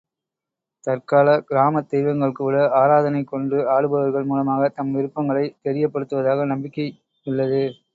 தற்காலக் கிராமத் தெய்வங்கள் கூட ஆராதனை கொண்டு ஆடுபவர்கள் மூலமாக தம் விருப்பங்களைத் தெரியப்படுத்துவதாக நம்பிக்கையுள்ளது.